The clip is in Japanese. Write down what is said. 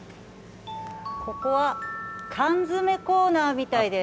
ここは缶詰コーナーみたいです。